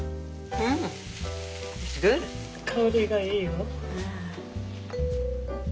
香りがいいよ。